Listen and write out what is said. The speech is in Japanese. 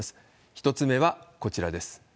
１つ目はこちらです。